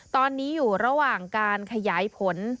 ตอนนี้อยู่ระหว่างการขยายผล